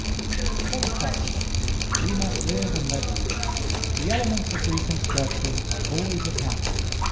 But, if possible, we must live and let live. The elements of reconstruction are always at hand.